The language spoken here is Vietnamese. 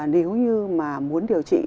nếu như mà muốn điều trị